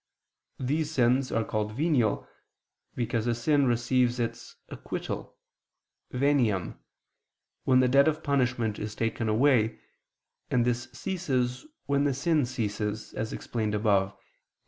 These sins are called venial: because a sin receives its acquittal (veniam) when the debt of punishment is taken away, and this ceases when the sin ceases, as explained above (Q.